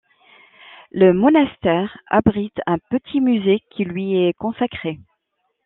Le monastère abrite un petit musée qui lui est consacré.